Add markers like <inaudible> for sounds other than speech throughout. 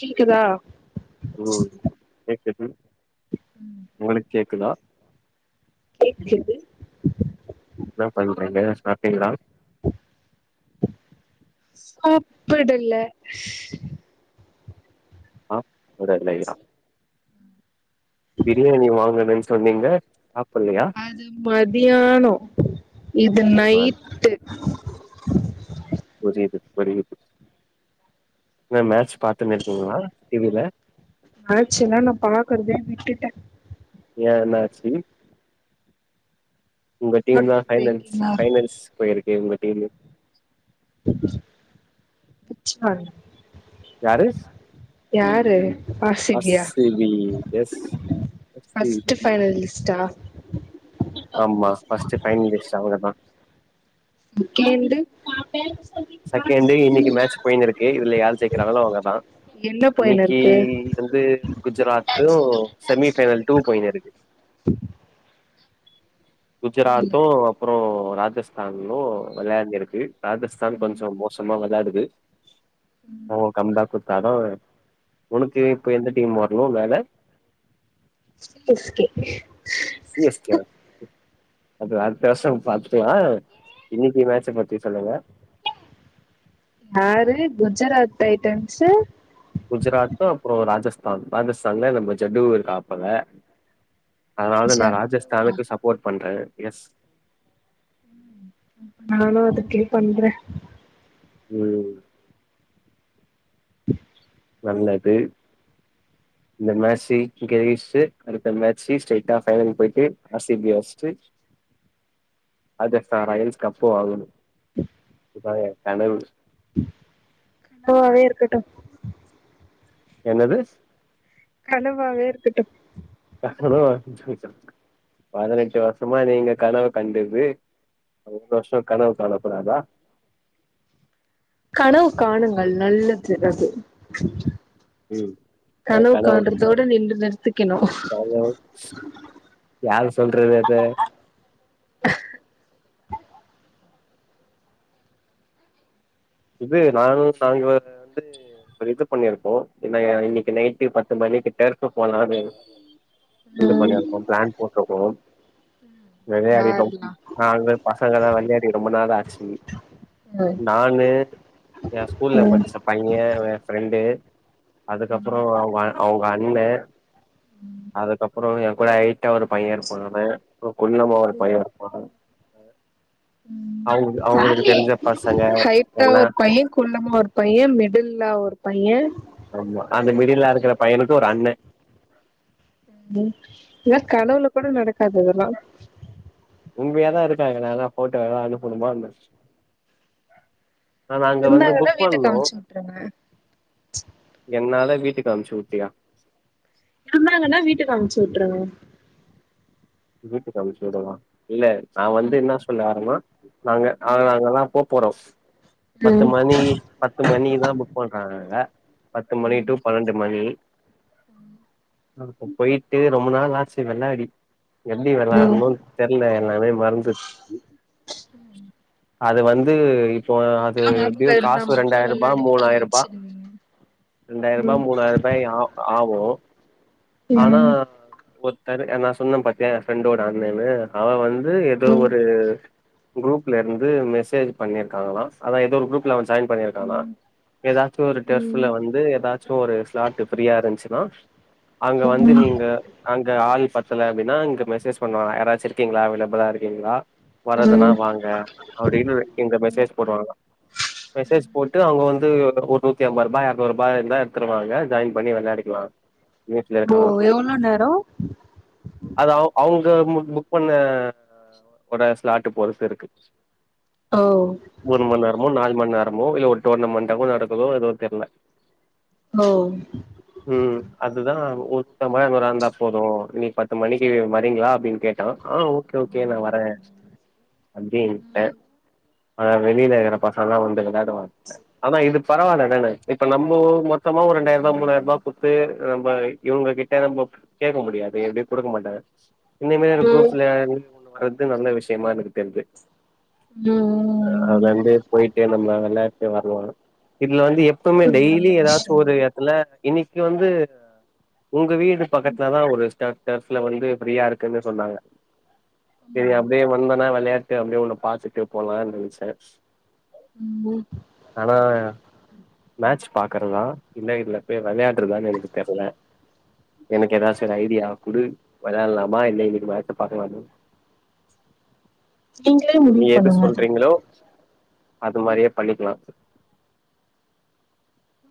கேக்குதா ம் கேக்குது உங்களுக்கு கேக்குதா கேக்குது என்ன பண்றீங்க சாப்டீங்களா சாப்படல ஆ <unintelligible> பிரியாணி வாங்கணு சொன்னீங்க சா அது மத்தியானோ இது ஆ நைட்டு புரியுது புரியுது என்ன மேட்ச பாத்துனு இருக்கீங்களா டி வி ல மேட்ச்சல்லா நா பாக்கறதே விட்டுட்டே ஏ என்னாச்சு உங்க ஹார்ட் டீம்தா ஃபைனல்ஸ் பிரேக்கிங்கா இருக்கு ஃபைனல்ஸ் போயிரு எங்க டீமு <unintelligible> யாரு யாரு ஆர் சி பி வெஸ் ஃபர்ஸ்ட் <inaudible> ஃபைனலிஸ்டா ஆமா ஃபஸ்ட்டு ஃபைனலிஸ்ட் அவங்கதா செக்கேண்டு செகண்டு இன்னக்கி மேட்ச் போயினுருக்கு இதுல யார் ஜெயிக்கிறாங்களோ அவுங்கதா என்ன போயினு இன்னக்கி இருக்கு வந்து குஜராத்து செமி ஃபைனல் டூ போயினுருக்கு புரில குஜராத்து அப்புறோ ராஜஸ்தான்னு வெளயான்டிருக்கு ராஜஸ்தான் கொஞ்சொ மோசமா வெளாடுது ஓ கம்டாக்கு ததோ உனக்கு இப்ப எந்த டீம் வர்ணு மேல C S K C S K வா? அது அடுத்த வருஷம் பாத்துக்கலா இன்னக்கி மேட்ச்ச பத்தி சொல்லுங்க யாரு குஜராத் டைட்டன்ஸு குஜராத்து அப்றொ ராஜஸ்தான் ராஜஸ்தான்ல நம்ம ஜட்டு இருக்காப்பல அதுனால நா ஜட்டுவா ராஜஸ்தானுக்கு சப்போர்ட் பண்றே எஸ் நானு அதுக்கே பண்றே ம் உம் நல்லது இந்த மேட்ச்ச கழிசு அடுத்த மேட்ச்சு ஸ்டைட்டா ஃபைனல் போயிட்டு ஆர் சி பி யா அச்ட்டு ராஜஸ்தான் ராயல்ஸ் கப்பு வாங்கணு அதா எ கனவு கனவாவே இருக்கட்டு என்னது? கனவாவே இருக்கட்டு கனவா பதினெட்டு வருஷமா நீங்க கனவு கண்டது ஒரு வருஷொ கனவு காணக்கூடாதா? கனவு காணுங்கள் நல்லது அது ம் கனவு காண்றதோட நின்டு நி ஹலோ யாரு சொல்றது அத இது நானு <unintelligible> வந்து ஒரு இது பண்ணிருக்கோ என்னயா இன்னக்கி நைட்டு பத்து மணிக்கு டெர்ஃபு போலானு இது ம் பண்ணிருக்கோ ப்ளான் போட்ருக்கோ வெளயாடி ரொம் யாருலா நாங்க பசங்கல்லா வெள்யாடி ரொம்ப நாள் ஆச்சு ம் நானு எ ஸ்கூல்ல ம் படுச்ச பைய எ ஃப்ரெண்டு அதுக்கப்புறோ அவுங்க அவுங்க அண்ணே அதுக்கப்புறொ எ கூட ஹைட்டா ஒரு பைய இருப்பா அவெ அ குள்ளமா ஒரு பைய இருப்பாங்க அங்க அவு அவுங்களுக்கு தெரிஞ்ச பசங்க ஹைட்டா எல்லா ஒரு பைய குள்ளமா ஒரு பைய மிடில்லா ஒரு பைய ஏ ஆமா அந்த மிடில்லா இருக்குற பையனுக்கு ஒரு அண்ண ஒ இதெல்லா கனவுள கூட நடக்காது இதெல்லா உன்மையாதா இருக்காங்க நா ஏதா ஃபோட்டோலா அனுப்பனுமா ஆனா அங்க வந்து இருந்தாங்கன்னா புக் வீட்டுக்கு பண்னோ அமுச்சு விட்ருங்க என்னால வீட்டுக் அனுப்ச்சு உட்டியா இருந்தாங்கன்னா வீட்டுக்கு அமுச்சு விட்ருங்க வீட்டுக்கு அனுப்ச்சுடவா இல்ல நா வந்து இன்னா சொல்ல வர்னா நாங்க அத அங்கதா போ போறஸ் பத்து ம் மணி பத்து மணிதா புக் பண்றாங்கங்க பத்து மணி டு பன்னெண்டு மணி அப்ப போயிட்டு ரொம்ப நாள் ஆச்சு வெள்ளாடி எப்டி ம் வெள்ளாடணும்னு தெர்ல எல்லாமே மறந்து அது வந்து இப்ப அது ஞாபக எப்டியோ இருந்தா காசு மட்டு ரெண்டாயிரூபா வெளாடி மூணாயிரூபா கிழிச்சிடுவீங்க ரெண்டாயிரூபா ம் மூணாயிரூபாய ஆ ஆகு ஆனா ம் ஒ சரி என்னா சொன்னே பாத்திய எ ஃப்ரெண்டோட அண்ணேன்னு அவ வந்து து எதோ ம் ஒரு க்ரூப் ல இருந்து மெசேஜ் பண்ணியிருக்காங்களா அதா ஏதோ ஒரு குரூப்ல அவ ஜாயின் பண்ணியிருக்கானா ஏதாச்சு ஒரு டெஸ்ப்ல ம் வந்து ஏதாச்சு ஒரு ஸ்லாட்டு ஃப்ரியா இருந்ச்சுன்னா அங்க வந்து நீங்க அங் ங்க ஆல் பத்தல அப்டின்னா இங்க மெசேஜ் பண்ணுவாங்க யாராச்சு இருக்கீங்களா அவைலப்ளா இருக்கீங்களா வறதுன்னா ம் ம் வாங்க அப்டின்னு இங்க மெசேஜ் போடுவாங்க மெசேஜ் போட்டு அவங்க வந்து ஒரு நுத்தெம்பருபா எரநூறுருபா இருந்தா எடுத்துடுவாங்க ஜாயின் பண்ணி வெளாடிக்கல ஓ எவ்ளோ நேரோ து மு புக் பண்ண ஒட ஸ்லாட் பொருத்து இருக்கு ஓ ஒரு மண் நேரமோ நால் மண் நேரமோ இல்ல ஒரு டோர்னமென்டாகு நடக்குதோ எதுவு தெர்ல ஓ ம் அதுதா ஒ ஒருத்தம வராந்தா போது இன்னிக் பத்து மணிக்கு வரீங்ளா அப்டின் கேட்டா ஆ ஓகே ஓகே நா வரே அப்டீன் டே அதா வெளில இருகுற பசங்கல்லா வந்து எங்கதா <inaudible> ஆனா இது பரவால்லதானெ இப்ப நம்ம மொத்தமா ஒரு ரெண்டாயருபா மூணாயருபா குத்து நம்ப இவுங்க கிட்ட நம்ப கேக்க முடியாது எப்டி குடுக்க மாட்டாங்க இனிமேலு ம் கூப்புல்லயா <unintelligible> ஒன்னு வர்து நல்ல விஷயமா எனக்கு தெர்து ம் அதுலந்து போயிட்டு நம்ம வெளா செ வர்லா இ ல வந்து எப்பமே ம் நல்ல டெய்லி எதாச்சு ஒரு விஷயந்தா எத்துல இன்னிக்கு வந்து உங்க வீடு பக்கத்துல தா ஒரு ஸ்ட டர்ஃப்ல வந்து ஃப்ரீயா இருக்குன்னு சொன்னாங்க சேரி அப்டியே வந்தனா வெள்யா டிட்டு அப்டியே உன்ன பாத்துட்டு போலான் நென்ச்சே ம் ஆனா மேட்ச் பாக்குறதா இல்ல இதுல போய் வெளயாட்றதான் எனக்கு தெர்ல எனக்கு எதாச்சொரு ஐடியா குடு வெளால்லாமா இல்ல இன்னைக்கு மேட்ச பாக்கலாமா நீ நீ எது சொல்றீங்களோ அது மாரியே பண்ணிக்லா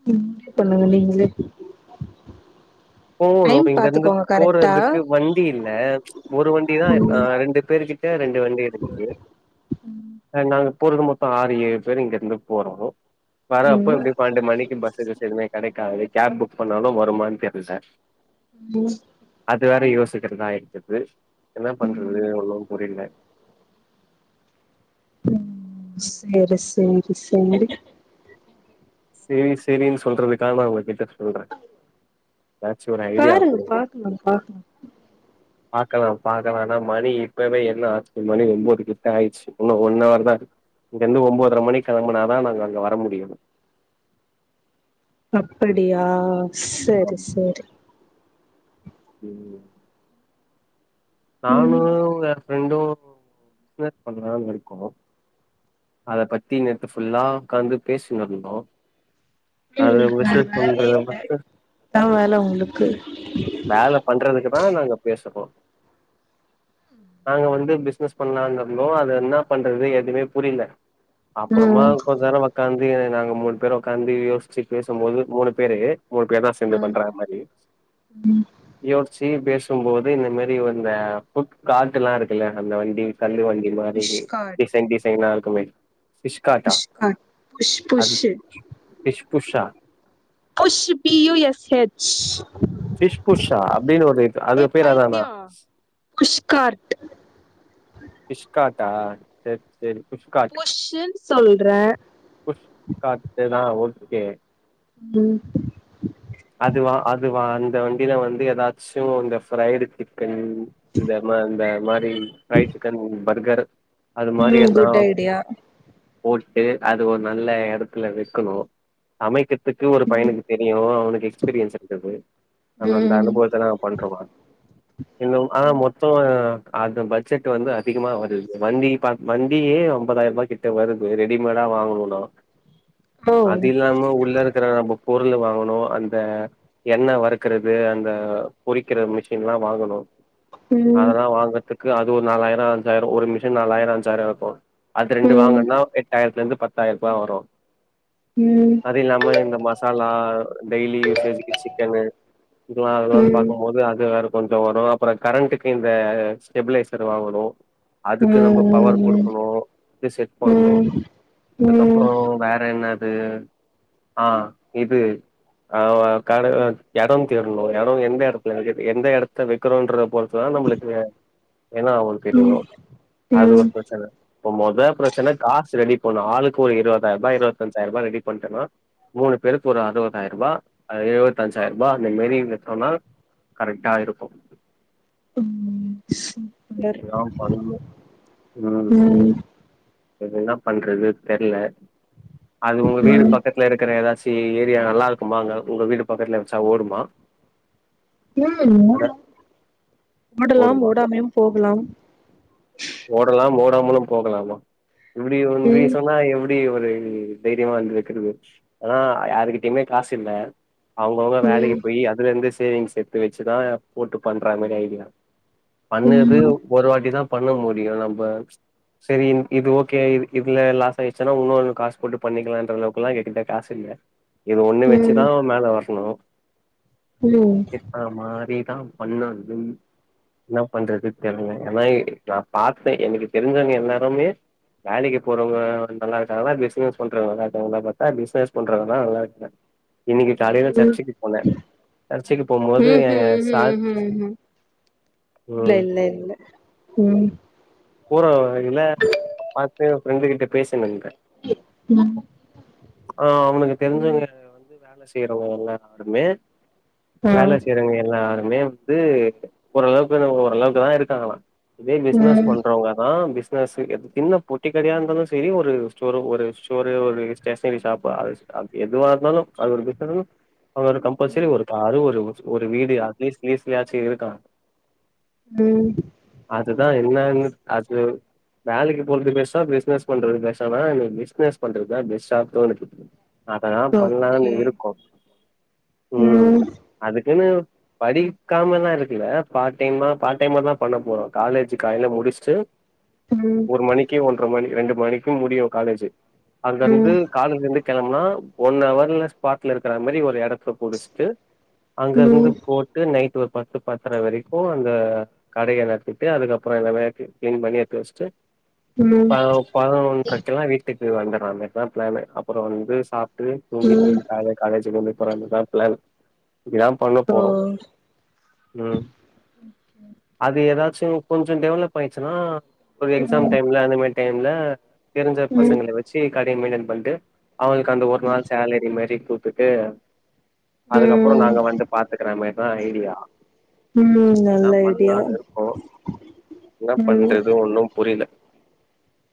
இது முடிவு பண்ணுங்க நீங்களே போவணு டைம் இங்கருந்து பாத்துக்கோங்க கரெக்டா போறதுக்கு வண்டி இல்ல ஒரு வண்டிதா ஆ ம் ரெண்டு பேரு கிட்ட ரெண்டு வண்டி இருக்குது அ நாங்க போறது மொத்த ஆறு ஏழு பேர் இங்கருந்து போறோ வர அப்ப ம் எப்டி பன்னன்டு மணிக்கு பஸ்ஸு கிஸ்ஸு எதுமே கெடக்காது கேப் புக் பண்ணாலு வருமான் தெர்ல ம் அது வேற யோ சுக்கிட்டுதா இருக்குது என்ன பண்றது ம் ஒன்னு புரில ம் சேரி சேரி சேரி சேரி சேரின் சொல்றதுக்கா நா உங்க கிட்ட சொல்றெ அ பாருங்க பாக்லா பாக்லா பாக்கலா பாக்கலான்னா மணி இப்பவே என்ன ஆச்சு மணி ஒம்பொது கிட்ட ஆயிச்சு இன்னு ஒன் அவர் தா இருக்கு இங்கர்ந்து ஒம்போதர மணி கெளம்புனாதா நாங்க அங்க வர முடியு அப்படியா ஆமா சேரி சேரி ம் நானு ம் வேர் ஃப்ரெண்டு பிஸ்னஸ் பண்ணலான் இருக்கோ அத பத்தி நேத்து ஃபுல்லா உக்காந்து பேசின்னு இருந்தோ அது ம் வேற பிஸ்னஸ் பண்ற வேலையே இல்ல பிஸ்னஸ் அதா வேல உங்களுக்கு வேல பண்றதுக்குதா நாங்க பேசறோ நாங்க வந்து பிஸ்னஸ் பண்ணலாங்குறதோ அது என்ன பண்றது எதுமே புரில அப்புறமா ம் கொஞ்ச நேரோ உக்காந்து திவ்யா நாங்க மூணு பேரு உக்காந்து யோச்சு பேசும் போது மூணு பேரு மூணு பேர்தா சேந்து ம் பண்ற மாரி யோச்சு பேஸ் க்கும் போது இந்த மாரி வந்த புக்கான்டு எல்லா இருக்குல்ல அந்த வண்டி கல்லு வண்டி மாரி புஷ் கார்ட் டிசைன் டிஸ் செயினா இருக்குமே புஷ் அ புஷ் அது புஷ்யு ஃபிஷ் புஷ்ஷா புஷ் பி யூ எஸ்ஹச் ஷ்பூஷா அப்டின் ஒரு இது அது பேர் அதா அதா பைத்தியோ புஷ்கார்ட் பிஷ்காட்டா சேர் சேரி பொஷின் சொல்ற புஷ்காட் இதா ஒர் ஓகே ம் அதுவா அதுவா அது இந்த வண்டில வந்து ஏதாச்சு இந்த ஃப்ரைடு சிக்கன் இந்த மாரி ஃப்ரைடு சிக்கன் பர்கர் அது மாரி ம் எதனா குட் ஐடியா போட்டு அது ஒரு நல்ல எடத்துல வெக்கணு சமைக்கத் த்துக்கு ஒரு ம் பையினுக்கு தெரியு அவனுக்கு எக்ஸ்பீரியன்ஸ் இருக்குது அவ அந்த ம் அனுபவத்ததா பண்றோவா இன்னு ஆ மொத்தோ அது பட்ஜெட் வந்து அதிகமா வருது வண்டி வண்டியே ஒன்பதாயிரூபா கிட்ட வருது ரெடி மேடா வாங்கணுன்னா ஓ அது இல்லாம உள்ள இருக்குற புக் பொருளு வாங்கணு அந்த எண்ண வறுக்குறது அந்த பொறிக்குற மிஷின்லா வாங்கணு ம் அதெல்லா வாங்கறதுக்கு அது இது ஒரு நாலாயிரோ அஞ்சாயிரோ ஒரு மிஷின் நாலாயிரோ அஞ்சாயிரோ இருக்கு அது ரெண்டு ம் வாங்கனுன்னா அதுக்கு வந்து பத்தாயிரூபா வரு ம் அது இல்லாம இந்த மசாலா டெய்லி யூசேஜ்க்கு சிக்கனு இதெல்லா ம் அதெல்லாம் ம் பாக்கும்போது அது வேற கொஞ்ச வரு அப்புறோ கரண்ட்டுக்கு இந்த ஸ்டெபிலேசர் வாங்கணு ம் அதுக்கு நம்ம பவர் குடுக்கணு அத செட் ம் பண்ணனு ம் ம் அதுக்கப்புறோ வேற என்னது ஆ இது ஆ கரன் எடோந் தேடணு எடோ எந்த எடத்துல எந்த எடத்த வெக்கிறோன்றத பொறுத்துதா நம்மளுக்கு ஏன்னா அவளுக்கு தெரியு அது ஒரு பிரச்சன இப்ப மொத பிரச்சன காஸ் ச்சு ரெடி பண்லா ஆளுக்கு ஒரு இருபதாயிரூபா இருபத்தஞ்சாயிரூபா ரெடி பண்டோனா மூணு பேருக்கு ஒரு அறுபவதாயிரூபா எழுபத்தஞ்சாயிரூபா அந்த மாரி எத்தம்னா கரெட்டா இருக்கு இதா ம் பண்ணணு ம் எது என்ன பண்றது தெர்ல அது உங்க ம் வீடு ம் பக்கத்துல இருக்கற ஏதாச் ஏரியா நல்லா இருக்குமாங்க உங்க வீடு பக்கத்துல வெச்சா ஓடுமா ம் அட ஓடலா ஓடலாம் ஓடுமா ஓடாமையும் போ கலாம் ஓடலாம் ஓடாமலும் போகலாமா இப்டி ஒன்னு ம் சொன்னா எப்டி எப்டி ஒரு தைரியமா வந்துருக்குது பாரு ஆனா யாருகிட்டயுமே காசில்ல அவுங்கவுங்க வேலைக்கு ம் போய் அதுல இருந்துஸ் சேவிங்ஸ் எடுத்து வெச்சுதா போட்டு பண்ற மாரி ஐடியா பண்ணது ம் ம் ஒரு வாட்டிதா பண்ண முடியு யு நம்ப செரி இது ஓகே இதுல லாஸ் ஆயிருச்சுன்னா இன்னொரு காஸ் போட்டு பண்ணிக்கலான்ற அளவுக்கெல்லா எங்க கிட்ட காசில்ல இது ஒண்ணு வெச்சுதா ம் மேல வர்ணு ம் ஆமா தீப் தா பண்ணதுன் என்ன பண்றது தெர்ல <unintelligible> பாத்தே எனக்கு தெரிஞ்சவங்க எல்லாருமே வேலைக்கு போறவங்க நல்லா இருக்காங்களா பிஸ்னஸ் பண்றவங்க நல்லா இருக்காங்களா பாத்தா பிஸ்னஸ் பண்றவங்கல்லா நல்லா இருக்குறாங்க இன்னிக்கி காலையில சர்ச்சுக்கு போன சர்ச்சுக்கு ம்ஹூம் போகும்போது எ ம்ஹூம் சார் ம்ஹூம் இல்ல ம் இல்ல இல்ல ம் பூரா இதுல அப்பாத்து ஃப்ரெண்டு கிட்ட பேசுனங்க ம் ஆ அவனுக்கு ம் தெருஞ்சவங்க வந்து வேலஸ் செய்றவங்க எல்லாருமே வேல ஆ செய்யறங்க எல்லாருமே வந்து ஓரளவுக் கு ஓரளவுக்குதா இருக்காங்களா இதே பிஸ்னஸ் ம் பண்றவங்கதா பிஸ் பேஸ்சு அதுக்கென்ன பொட்டி கடையா இருந்தாலு சரி ஒரு ஸ்டோர்ரூம் ஒரு ஸ்டோரு ஒரு ஸ்டேஷஸ்னரி ஷாப்பா அது அது எதுவா இருந்தாலு அது ஒரு பிஸ்ன அதோட ஒரு கம்பல்சரி ஒரு காரு ஒரு ஊர் ஒரு வீடு அட்லீஸ்ட் லீஸ்லியாச்சி இருக்கலா உம் அதுதா எ என்னனுத் அது வேலைக்கி போறது பெஸ்ட்டா பிசினஸ் பண்றது பெர்ஸான்னா எனக் பிஸ்னஸ் பண்றதுதா பெஸ்டா தோணுது அததா பண்லான்னு ஓகே இருக்கோ உம் ம் அதுக் ஏன்னு படிக்காமலா இருக்குல பார்ட் டைமா பார்ட் டைமா தா பண்ணப்போறோ காலேஜுக் காலைல முடிச்சுட்டு ம் ஒரு மணிக்கி ஒன் ஒன்ற மணி ரெண்டு மணிக்கு முடியு காலேஜ்சு அங்கந்து ம் காலையிருந்தே கிளம்னா ஒன் அவர்ல ஸ்பாட்ல இருக்கிற மாரி ஒரு இடத்த புடிச்சுட்டு அங்க இருந்து ம் போட்டு நைட் து பத்து பத்தர வரைக்கு அந்த கடைய நத்திட்டு அதுக்கப் புறோ அதேலா எத்து கிளீன் பண்ணி எத்து வெச்சுட்டு ம் ம் ப பதினொன்றைக்கிலா வீட்டுக் கி வந்துர வந்துட்டுதா பிளான்னு அப்புற வந்து சாப் ட்டு ஓ துங்கிட்று அதுல காலேஜ்சுல நின் அப்புற வந்து தா பிளான் இது தா பண்ண போறோ உம் அது ஏதாவு சோ கொஞ்சோ டெவலப்பாயிருச்சுன்னா ஒரு எக்ஸ்ஸாம் ம் டைம்ல அந்த மாரி டைம் ல்ல தெரிஞ்சப் ம் பசங்கள வெச்சு கா டேமீன்னே பண்டு அவுனுக்கு அந்த ஒரு நாள் சேலரி மாரி கு குட்டே அதுக்கப்புறோ ம் நாங்க வந்து பாத்துக்கிற மாரிதா ஐடியா ம் என்ன நல்ல ஐடியா பண்ணான்னு இருக்கோ என்ன ம் பண்றது ஒன்னும் பு புரியில